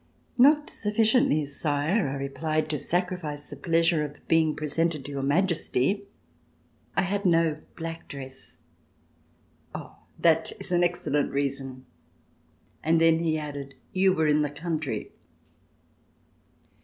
Not sufficiently. Sire," I replied, ''to sacrifice the pleasure of being presented to your Majesty. I had no black dress." "Oh, that is an excellent reason." And then he added: "You were in the country!"